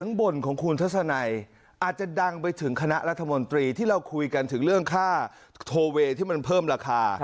บ่นของคุณทัศนัยอาจจะดังไปถึงคณะรัฐมนตรีที่เราคุยกันถึงเรื่องค่าโทเวย์ที่มันเพิ่มราคา